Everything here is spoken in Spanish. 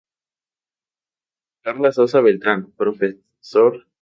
Karla Sosa Beltran, Profr.